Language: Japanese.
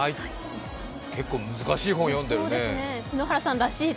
結構難しい本、読んでるね。